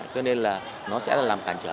cho nên là nó sẽ làm cản trở